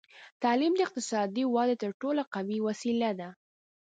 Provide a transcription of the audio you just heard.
تعلیم د اقتصادي ودې تر ټولو قوي وسیله ده.